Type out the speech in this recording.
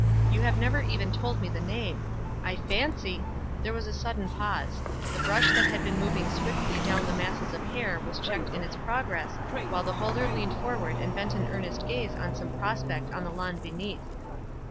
You have never even told me the name. I fancy —" There was a sudden pause. The brush that had been moving swiftly clown the masses of hair was checked in its progress, while the holder leaned forward and bent an earnest gaze on some prospect on the lawn beneath.